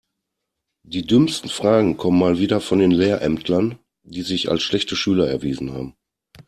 Die dümmsten Fragen kommen mal wieder von den Lehrämtlern, die sich als schlechte Schüler erwiesen haben.